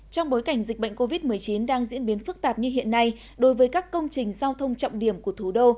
trong bối cảnh dịch bệnh covid một mươi chín đang diễn biến phức tạp như hiện nay đối với các công trình giao thông trọng điểm của thủ đô